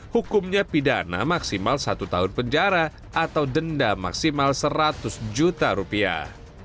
hukumnya pidana maksimal satu tahun penjara atau denda maksimal seratus juta rupiah